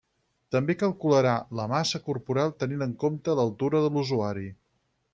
També calcularà la massa corporal tenint en compte l’altura de l’usuari.